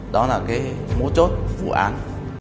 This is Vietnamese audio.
đó là cái mũ chốt vụ án